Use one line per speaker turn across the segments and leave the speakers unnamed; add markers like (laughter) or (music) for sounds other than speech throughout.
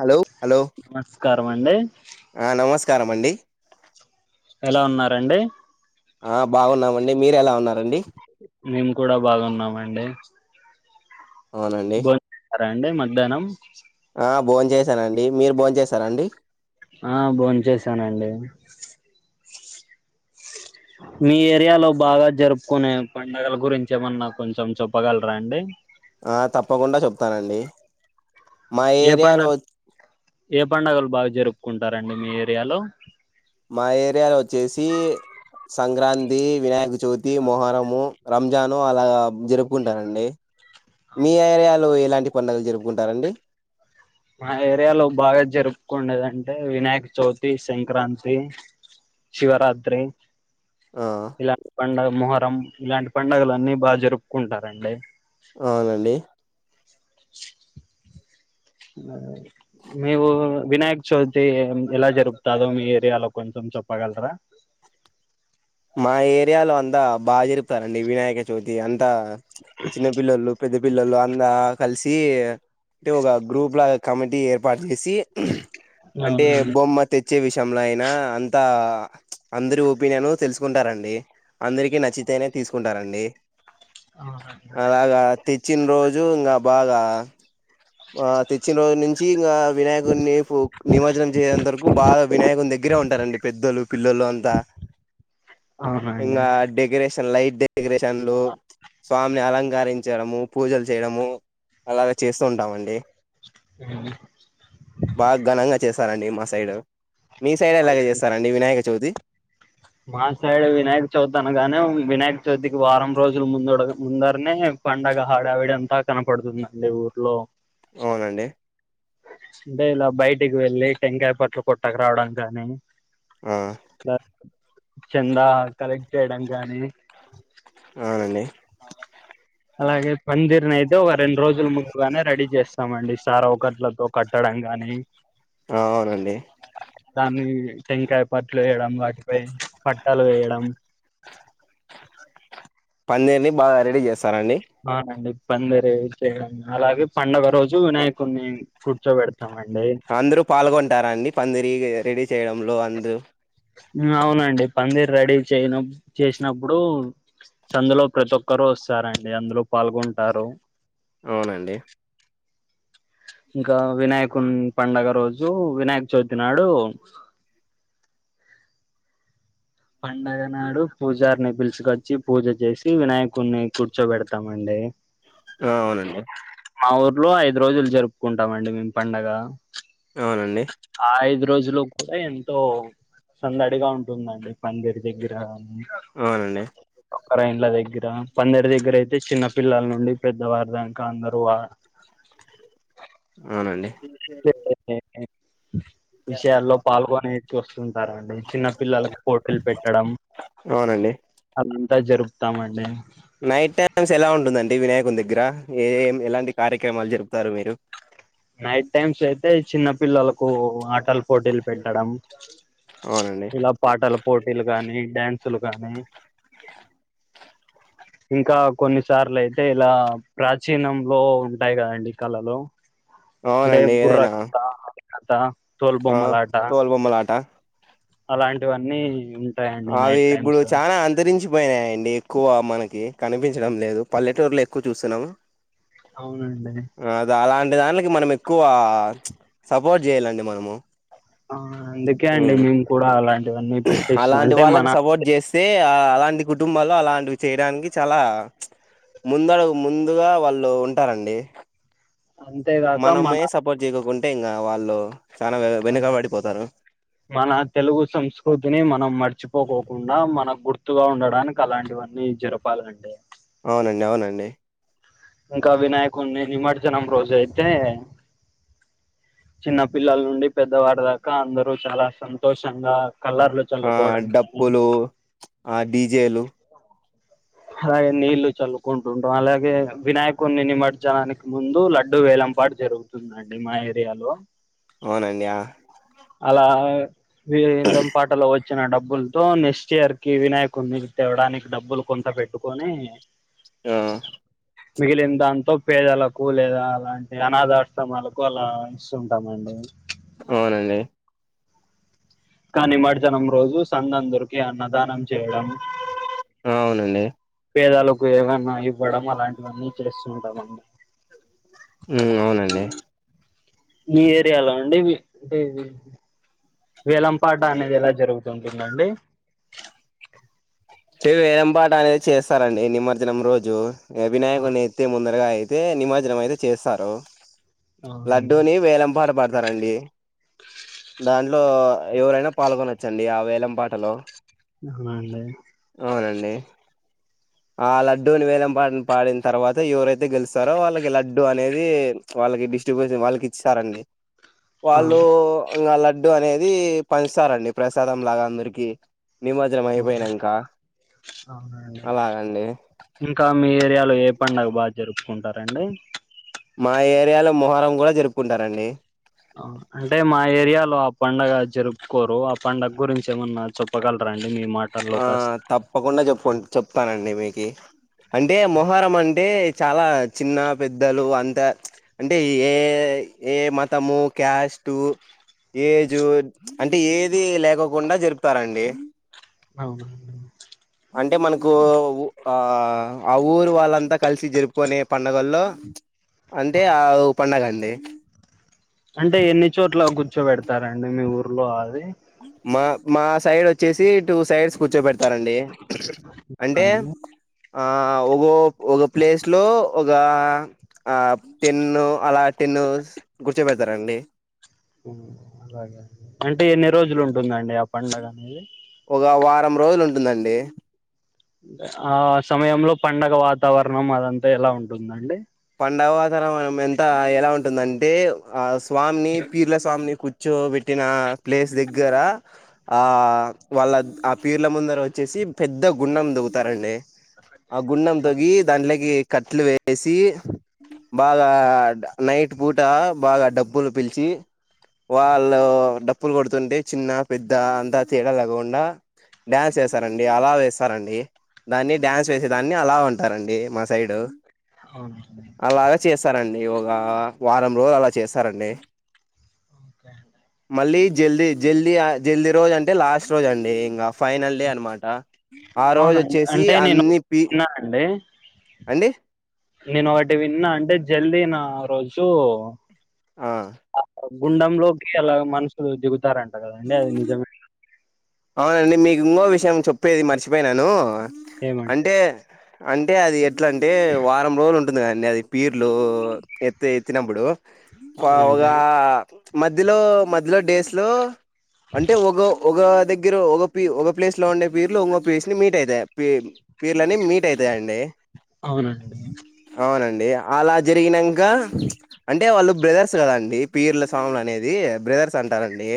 Hello hello
నమస్కారం మండి
ఆ నమస్కారం అండి
ఎలా ఉన్నారండి
ఆ బాగున్నామండి మీర ఎలా ఉన్నారండి
మేము కూడా బాగున్నామండి
అవునండి
రండి మధ్యాహ్నం
ఆ భోన్ చేసానండి మీరు భోన్ చేసారాండి
ఆ భోన్ చేసానండి మీ ఏరియాలో బాగా జరుపుకునే పడుగల గురించి ఏమన్నా కొంచెం చెప్పగలరా అండి
ఆ తప్పకుండా చెప్తానండి మా
ఏ
ఏరియాలో
పడుగ ఏ పండుగలు బాగా జరుపు కుంటారండి మీ ఏరియాలో
మా ఏరియాలో వచ్చేసి సంక్రాంతి వినాయక చవితి మొహరము రంజాను అలా జరుపుకుంటారండి మీ ఏరియాలో ఎలాంటి పండుగలు జరుపుకుంటారండి
మా ఏరియాలో బాగా జరుపుకునేదంటే వినాయక చవితి సంక్రాంతి శివరాత్రి
ఆ
ఇలాంటి పండ మొహరం ఇలాంటి పండుగలు అన్నీ బాగా జరుపుకుంటారండి
అవునండి
అ మ ఊ వినాయక చవితి ఎలా జరుగుతారు మీ ఏరియాలో కొంచెం చెొప్పగలరా
మా ఏరియాలో అంతా బాగా జరుపుతారండి వినాయక చవితి అంత త చిన్న పిల్లలు పెద్ద పిల్లలు అందా ఆ కలిసి సి అంటే ఒక గ్రూప్ లాగా కమిటీ టి ఏర్పాటు చేసి అంటే
అవునండి
బొమ్మ తె- చ్చే విషయంలో అయినా అంతా అందరి ఒపీనియన్ తెలుసు కుంటారండి. అందరికి నచ్చితేనే తీసుకుంటారండి. అలాగా తెచ్చిన రోజు ఇంగా బాగా ఆ తెచ్చిన రోజు నుంచి ఇంగా వినాయకుడిని నిమజ్జనం చేయేంత వరకు బాగా వినాయకుని దగ్గరే ఉంటారండి పెద్దలు, పిల్లలు అంతా.
అవునండి
ఇంగా డెకరేషన్ లైట్- డెకరేషన్లు స్వామిని అలం- తరించడము. పూజలు చేయడము. అలాగే చేస్తూ తమండి. బాగా ఘనంగా చేశారండి. మస్త్ సైడ్ మీ సైడ్ ఎలాగ చేసారండి. వినాయక్ చౌది
మాసైడు వినాయక చౌతి అనగానే వినాయక చౌతికి వారం రోజులు ముందడ్ ముందరనే పండగ హడవిడి అంతా కనపడుతుందండి ఊర్లో.
అవునండి.
అంటే ఇలా బయటికి వెళ్ళి. టెంకాయ పట్లు కొట్టక రావడం కానీ.
ఆ
(unintelligible) చందా కలెక్ట్ చేయడం. గానీ
అవునండి.
అలాగే పందిర్ని అయితే ఒక రెండు రోజుల ముందుగానే రెడీ చేస్తామండి. సారా ఒకట్లతో కట్టడం గాని
ఆ అవునండి.
కానీ (unintelligible) టెంకాయ పట్లు వేయడం వాటిపై పట్టాలు వేయడం.
పందిరిని బాగా రెడీ చేస్
అవునండి. పందిరైతే అలాగే పండుగ రోజు వినాయకుడిని కూర్చో పెడత్
అందరూ పాల్గొంటారండి. పందిరిగ్ రెడీ చేయడంలో అందు
అవునండి. పందిరి రెడీ చేయన చేసినప్పుడు సందులో ప్రతి ఒక్కరూ వస్తారండి. అందులో పాల్గొంటారు.
అవునండి
ఇంకా వినాయకుని పండుగ రోజు. వినాయక చవితి నాడు పండగ నాడు పూజారిని పిలుచుకొచ్చి పూజ చేసి వినాయకుడిని కూర్చోబెడతామండి.
ఆ అవునండి.
మా ఊర్లో ఐదు రోజులు జరుపుకుంటామండి. మేము పండగ.
అవునండి
ఆ ఐదు రోజులు అయి ఎంతో సందడిగా ఉంటుందండి. పందిరి దగ్గర అని
అవునండి
ఒకర ఇండ్ల దగ్గర పందరి దగ్గర అయితే చిన్న పిల్లల నుండి పెద్దవారి దాక అ
అవునండి.
విషయాల్లో పాల్గొనేకి వస్తుంటారండి. చిన్న పిల్లలలకు పోటీలు పెట్టడం
అవునండి
అన్ జరుపుతం అండి
నైట్ టైమ్స్ ఎలా ఉంటుందండి వినాయకుని దగ్గర ఏ ఏ ఎలాంటి కార్యక్రమాలు జరుపుతారు మీరు
నైట్ టైమ్స్ అయితే చిన్న పిల్లలకు అట్ టల్ పోటీలు పెట్టడం
అవునండి
ఇలా పాటల పోటీలు కానీ డ్యాన్స్ చలు కానీ ఇంకా కొన్నిసార్లు అయితే ఇలా ప్రాచీనంలో ఉంటాయి కదండి కళలు
అవునండి ఏదైనా
అత
ఆ తోల్ బొమ్మలాట
అలాంటివన్నీ ఉంటాయండి
అవి
నైట్
ఇప్పుడు
టైమ్స్
చాలా అంతరించిపోయినాయండి ఎక్కువ మనకి కనిపించడం లేదు పల్లెటూరులో ఎక్కువ చూస్తున్నాము
అవునండి
అే దానికి మనం ఎక్కువ సపోర్ట్ చేయ్యాలండి మనము
ఆ అందుకే అండి
హ్మ్.
మేము కూడా అలాంటివన్నీ పెట్టిస్తా
అలాంటి
అంటే మన
వాళ్ళకి సపోర్ట్ చేస్తే అలాంటి కుటుంబాలు అలాంటివి చేయడానికి చాలా ముందుగ ముందుగా వాళ్ళు ఉంటారండి
అంతేగాక మన
మనమే సపోర్ట్ చేయకోకుంటే ఇంకా వాలో
మన తెలుగు సంస్కృతిని మనం మర్చిపో కుండా మనకు గుర్తుగా ఉండడానికి అలాంటివన్నీ జరపాలండి
అవునండి అవునండి
ఇంకా వినాయకుడిని నిమజ్జనం రోజ అయితే చిన్న పిల్లల నుండి పెద్దవాడి దాకా అందరూ చాలా సంతోషంగా కలర్లు
ఆ
చల్లుకోవడం కానీ
డప్పులు ఆ డీజేలు
అలాగే నీళ్లు చల్లుకుంటుంటాం అలాగే వినాయకుడిని నిమజ్జనానికి ముందు లడ్డుూ వేలం పాటు జరుగుతుందండి మా ఏరియాలో
అవునండి
అలా వేలంపాఠలో వచ్చ చ్చిన డబ్బులతో నెక్స్ట్ ఇయర్ కి వినాయకునీ తేవడానికి డబ్బులు కొంత పెట్టుకొని
ఆ
మిగిలిన దాంతో పేదలకు లేదా అలాంటి అనాథాశ్రమాలకు అలా ఇస్తుంటామండి
అవునండి
కా నిమర్జనం రోజు సందందరికి అన్న దానం చేయడం
అవునండి
పేదాలకు ఏమన్నా ఇవ్వడం అలాంటివన్నీ చేస్తుంటామండి
ఉమ్ అవునండి
మీ ఏరియాలో అండి వేలం పాట అనేది ఎలా జరుగుతుంది (unintelligible)
అ వేలం పాట అనేది చేస్తారండి నిమజ్జనం రోజు
ఆ
వినాయకుని ఎట్టి ముందరగా అయి అయితే నిమజనం అయితే చేస్తారు
అవునండి
లడ్డూని వేలంపాట పడతారండి దాం ఇట్లో ఎవరైనా పాల్గొనోచ్చండి ఆ వేలం పాటలో
హ్ వాండి
లే, ఆ లడ్డూని వేలం పాట్న్ పాడిన్ తర్వాత, ఎవరైతే గెలుస్సరో, వాళ్ళకి లడ్డు అనేది వాళ్ళకి డిస్ట్రిబ్యూషన్ వాళ్ళకిస్తారండి.
ఆ
వాళ్ళు ఇంగ లాడ్ డ్డు అనేది పంచుతారండి ప్రసాదం లాగా అందరికి నిమర్జనం
ఆ,
అయిపోయినంక్
అవునండి ఇంకాం మీ ఏరియాలో ఏ పండగ బాగ్ జరుపుకుంటారండి
మా ఏరియాలో మొహరం గూడా జరుపుకుంటారండి
ఆ అంటే మా ఏరియాలో ఆ పడుగ జరుపుకోరు ఆ పండుగ గురించి ఏమన్నా చెప్పగలరాండ్
ఆ తప్పకుండా చెప్పున్ చెప్తానండి మీక్ కి అంటే మొహరం అంటే చాలా చిన్న పెద్దలు అంతా ప్చ్. అంటే ఏ ఏ మతము క్యాస్ట్ ఏజు ప్చ్ అంటే ఏది లేకోకుండా జరుపుతారండి
అవునా
అంటే మనకు ఉ ఆ ఆ ఊరు వాళ్ళంతా కలిసి జరుపుకునే పండుగల్లో అంటే ఆ పండగండ్ ఏ
చోబెడ్త్ టారండి మీ ఊర్లో అది
మా మా సైడ్ వచ్చేసి టూ సైడ్స్ కూర్చోపెడతారండి అంటే
అవునండి
ఆ ఒగో ఒగ ప్లేస్ లో ఒగ ఆప్ టెన్ అలా టెన్ గుర్చోపెడతారండి
హ్మ్ అలగా అంటే ఎన్ని రోజులుంటుందండి ఆ పండగ అనేది
ఒగ వారం రోజులుంటుందండి
ఆ సమయంలో పండగ వాతావరణం అదంతా ఎలా ఉంటుందండి
పండవతరనం మెంత ఎలా ఉంటుందంటే ఆ స్ స్వామిని పీర్ల స్వామిని కుచ్ చో పెట్టిన ప్లేస్ దెగ్గర ఆ వాళ్ళద్ ఆ పీర్ల ముందరోచ్చేసి పెద్ద గుండం దోగుతారండి ఆ గుండం తోగి దాడ్లేకి కట్లు వేసి బాగా నైట్ పూట బాగా డబ్బులు పిలిచి, వాళ్ళు డప్ ప్పులు కొడుతుంటే చిన్న పెద్ద అంతా తేడా లేకోకుండా డ్యాన్స్ చేస్తారండి. అలవ్ వేస్సరండి. దాన్ని డ్యాన్స్ వేసేదాన్ని అలావ్ అంటారండి మా సైడు
అవునండి
అలాగ చేస్సరండి. ఇ ఒగ వారం రోజులు అలా చేస్సరండి.
ఓకే
మళ్ళీ జల్దీ జల్దీ ఆ జల్దీ రోజు అంటే లాస్ట్ రోజ అండి ఇంగా ఫైనల్ డే అనమాట, ఆ రోజు
అవునండి
వచ్చేసీ
అంటే నేను
అన్నీ పి
విన్నా అండి
అండి
నేను ఒకటి విన్నా అంటే జల్దీ నా ఆ రోజూ
ఆ
గుండమ్ లోకి ఇలాగ మనుషులు దిగుతారం రంట కదండీ అది నిజమ
అవునండి మీకు ఇంగో విషయం చెప్పేది మర్చిపోయిననూ.
ఏమంటే
అంటే అం టే అది ఎట్ల అంటే వారం రోజుల్ ఉంది కదండి అది పీర్లూ ఎత్ ఎత్తినప్పుడూ
అవునండి
పావుగా మధ్యలో మద్ అలో డేస్ లో, అంటే ఒగ ఓగా దెగ్ గ్గరో ఒగ పీర్ ఒగ ప్లేస్ లో ఉండే పీర్ లు ఉంగో పీర్స్ నీ మీట్ అయితాయ పీర్ పిర్లన్ని మీట్ అయితాయండి.
అవునండి
అవునండి. అలా జరిగినంకా, అంటే వాళ్ళు బ్రదర్స్ కదండి పీర్ల స్వాములు అనేది బ్రదర్స్ అంటారండి,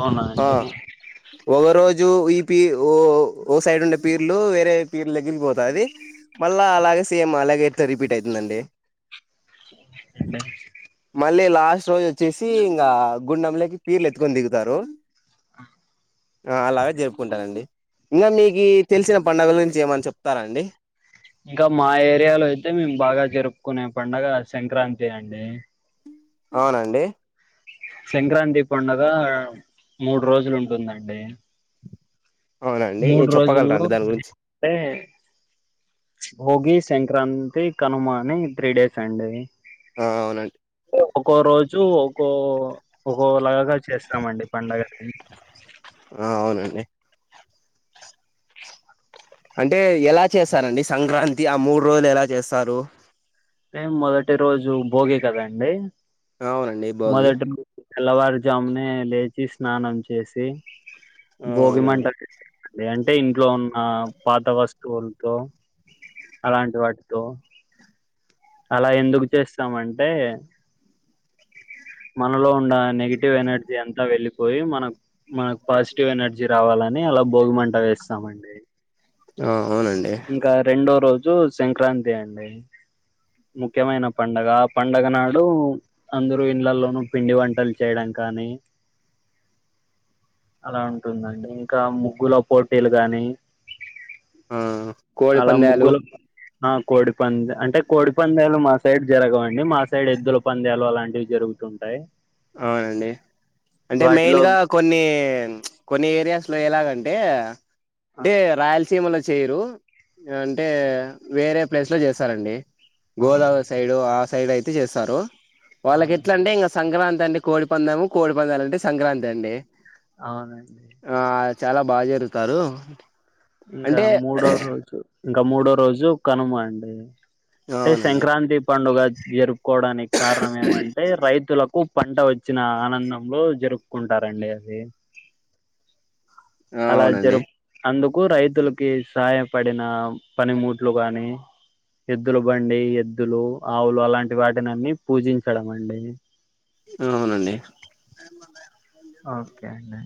అవునా
ఆ
అండి
ఒక రోజు ఈ పీర్ ఓ ఓ సైడ్ ఉండే పీర్లు వేరే పీర్లు దగ్గరికి పోతాది మళ్ళా అలాగె సేమ్ అలాగే ఇట్ల రిపీట్ అయితుంది అండి
అంటే
మళ్ళీ లాస్ట్ రోజు వచ్చేసీ ఇంగా, గుండెంలకి పీర్లు ఎత్తుకొని దిగుతారూ.
ఆ
ఆ అలాగే జరుపుకుంటారండి. ఇంగా మీకీ తెలిసిన పండగల్ గురించి ఏమన్న చెప్తారాండి
ఇంకా మా ఏరియాలో ఐ తే మేమ్ బాగా జరుపుకునే పండగా సంక్రాంతి అండీ.
అవునా అండి.
సంక్రాంతి పండగా మూడు రోజులు ఉంటుందండీ.
అవునండి
మూడు
చెప్పగలరా
రోజుల్లో
అండి దాని గురించి
అంటే భోగి, సంక్రాంత్ తి, కనుమా అని త్రీ డేస్ అండి.
ఆ అవునండి.
జూ ఒకో ఒకో లగగా చేస్తామండి పండగని.
ఆ అవునండి. అంటే ఎలా చేస్తారండి సంక్రాంతి, ఆ మూడు రోజులు ఎలా చేస్తారు.
అంటే మొదటి రోజు భోగి కద అండి.
అవునండి భోగి
మొదటం తెల్లవారు జామ్నే లేచి స్నానం చేసి
ఆ
భోగి మంట
అవునండి
పెడతామండి. అంటే ఇంట్లో ఉన్న పాత వస్తువులతో అలాంటి వాటితో అలా ఎందుకు చేస్తామంటే మనలో ఉండా నెగిటివ్ ఎనర్జీ అంత వెళ్లిిప్ పోయి మనక్ మనకు పాజిటివ్ ఎనర్జీ రావాలని అలా భోగిమంట వేస్తామండి
ఆ అవునండి
జు సంక్రాంతి అండి ముఖ్యమైన పండగ ఆ పండగ నాడు అందరు ఇండ్లలోనూ పిండి వంటలు చేయడం కానీ అలా ఉంటుందండి ఇంకా ముగ్గుల పోటీలు గాని
ఆ కోడిి
అలా
పంద్యాలు
ముగ్గుల ఆ కోడిపంద్ అంటే కోడి పంద్యాలు మా సైడ్ జరగవండి మా సైడ్ ఎద్దుల పంద్యాలు అలాంటివి జరుగుతుంటాయి
అవునండి అంటే మెయిన్
వాటిలో
గా కొన్ని కొన్ని ఏరియాస్ లో ఎలాగంటే
ఆ
ఏ రాయలసీమలో స్ చేయరు అంటే వేరే ప్లేస్ లో చేస్తారండి గోదావరి
అవునండి
సైడు ఆ సైడ్ అయిత్ తీసేస్తారు వాళ్ళకి ఎట్ల
అవునండి
అంట ఇంకా సంక్రాం అని కోడి పందము కోడిపందాలు అంటే సంక్రాంతి అండి
అవునండి
ఆ చాలా బాగా జరుతారు
ఇంకా మూడో రోజు ఇంకా మూడో రోజు కనుమ అండి అంటే
అవునండి
సంక్రాంతి పండుగ జ్ ఇయరు కోవడానికి కారణం ఏమంటే రైతులకు పంట వచ్చిన ఆనందంలో జరుపుకుంటారండి అది అలా
అవునండి
జరుగ్ అందుక్ కు రైతులకి సహాయపడిన పనిమూట్లు గాని ఎద్దులు బండి ఎద్దులు ఆవులు అలాంటి వాటినిన్నిీ పూజించడం అండి
అవునండి
ఓకే అండి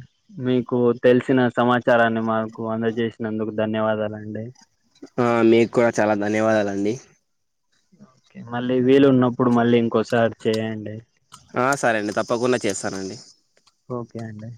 మీకు తెలిసిన సమాచారాన్ని మాకు అందజేసినందుకు దన్ ధన్యవాదాలండి
ఆ మీకు కూడా చాలా ధన్యవాదాలండి
ఓకే మళ్ళీ వీలు ఉన్నప్పుడు మళ్ళీ ఇంకోసారి చేయండి
ఆ సరే అండి తప్పకుండా చేస్తానండి
ఓకే అండి